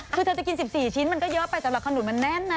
คือเธอจะกิน๑๔ชิ้นมันก็เยอะไปสำหรับขนุนมันแน่นนะ